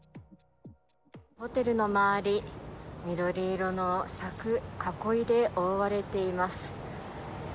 ホテルの周り、緑色の柵、囲いで覆われています。